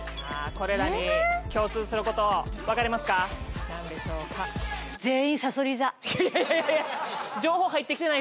これらに共通すること分かりますか何でしょうかいやいや情報入ってきてない